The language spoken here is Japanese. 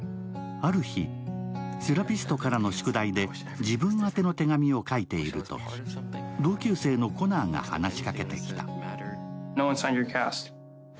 ある日、セラピストからの宿題で自分宛ての手紙を書いているとき、同級生のコナーが話しかけてきた。